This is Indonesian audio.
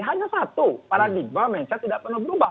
hanya satu paradigma mencatat tidak pernah berubah